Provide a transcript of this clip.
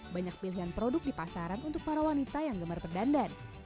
banyak pilihan produk di pasaran untuk para wanita yang gemar perdandan